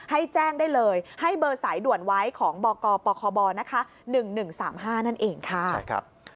ให้แจ้งได้เลยให้เบอร์สายด่วนไว้ของบกปคบนะคะ๑๑๓๕นั่นเองค่ะ